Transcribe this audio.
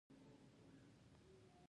د ادم خان او درخانۍ کیسه مشهوره ده.